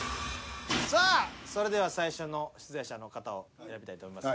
さあそれでは最初の出題者の方を選びたいと思います。